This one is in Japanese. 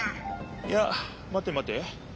いやまてまて。